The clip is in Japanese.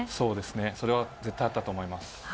それは絶対あったと思います。